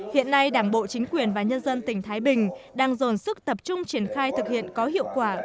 hiện nay đảng bộ chính quyền và nhân dân tỉnh thái bình đang dồn sức tập trung triển khai thực hiện có hiệu quả